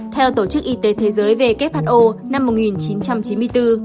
theo tổ chức y tế thế giới who năm một nghìn chín trăm chín mươi bốn